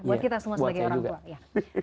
buat kita semua sebagai orang tua ya